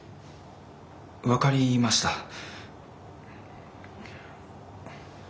分かりました。